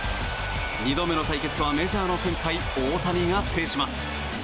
２度目の対決はメジャーの先輩大谷が制します。